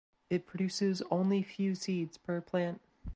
It produces only few seeds per plant.